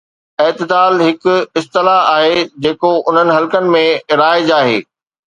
اعتدال هڪ اصطلاح آهي جيڪو انهن حلقن ۾ رائج آهي.